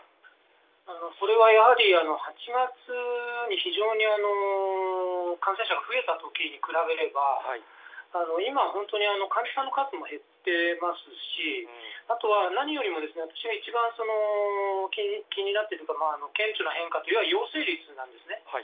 それはやはり、８月に非常に感染者が増えたときに比べれば、今、本当に患者さんの数も減ってますし、あとは何よりも私が一番気になっているというか、顕著な変化というのは陽性率なんですね。